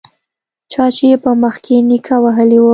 چا يې په مخ کې نيکه وهلی و.